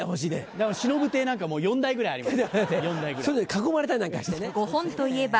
だからしのぶ亭なんか４台ぐらいあります。